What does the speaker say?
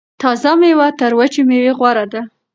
تازه میوه تر وچې میوې غوره ده.